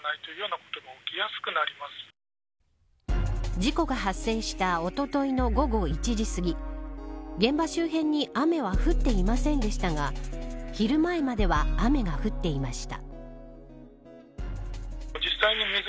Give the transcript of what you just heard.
事故が発生したおとといの午後１時すぎ現場周辺に雨は降っていませんでしたが昼前までは雨が降っていました。